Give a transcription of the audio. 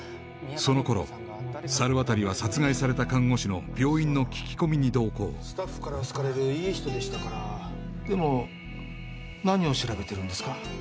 そのころ猿渡は殺害された看護師の病院の聞き込みに同行スタッフから好かれるいい人でしたからでも何を調べてるんですか？